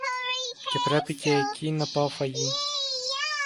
και πρέπει κι εκεί να πάω φαγί